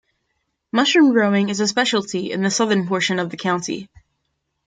Mushroom growing is a specialty in the southern portion of the county.